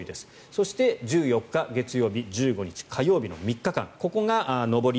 そして１４日月曜日１５日火曜日の３日間ここが上り